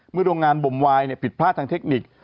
โรงงานบมวายผิดพลาดทางเทคนิค